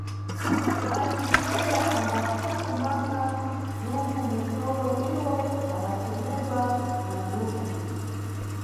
Mayi Sineriya ambafuna kumanga dhuku munʼsolo, iwo ambathemedwa na dhuku.